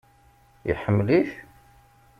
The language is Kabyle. Iḥemmel-it?